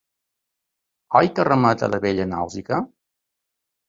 Oi que remet a la bella Nausica.